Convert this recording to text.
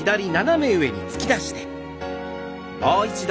もう一度。